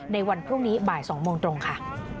ในวันพรุ่งนี้บ่าย๒โมงตรงค่ะ